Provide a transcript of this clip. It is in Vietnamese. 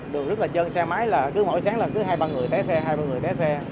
đường rất là trơn xe máy là cứ mỗi sáng là cứ hai ba người té xe hai ba người té xe